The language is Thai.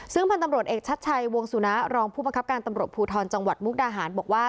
ซึ่งพันธ์ตำรวจเอกชัดชัยวงสุนะรองผู้บังคับการตำรวจภูทรจังหวัดมุกดาหารบอกว่า